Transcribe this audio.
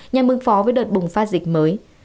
nhằm ứng phó với đợt bùng phát dịch mới